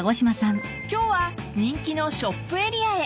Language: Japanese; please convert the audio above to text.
［今日は人気のショップエリアへ］